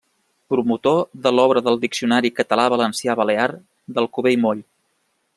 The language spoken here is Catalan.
Promotor de l'Obra del Diccionari català-valencià-balear, d'Alcover i Moll.